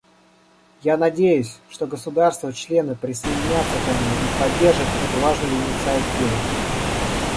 Я надеюсь, что государства-члены присоединятся ко мне и поддержат эту важную инициативу.